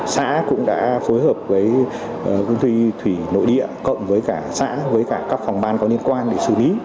xã cũng đã phối hợp với quân thuy thủy nội địa cộng với xã với các phòng ban có liên quan để xử lý